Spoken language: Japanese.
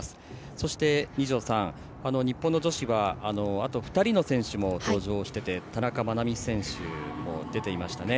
そして、二條さん、日本の女子はあと２人の選手も登場してて田中愛美選手も出ていましたね。